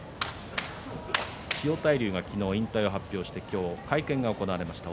千代大龍が昨日、引退を発表して今日、会見が行われました。